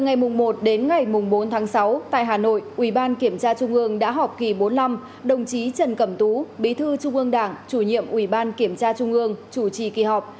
ngày bốn sáu tại hà nội ubkt đã họp kỳ bốn mươi năm đồng chí trần cẩm tú bí thư trung ương đảng chủ nhiệm ubkt chủ trì kỳ họp